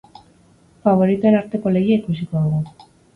Faboritoen arteko lehia ikusiko dugu.